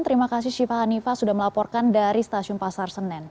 terima kasih syifa hanifah sudah melaporkan dari stasiun pasar senen